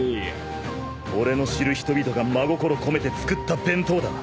俺の知る人々が真心込めて作った弁当だ。